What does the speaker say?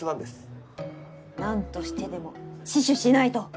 なんとしてでも死守しないと！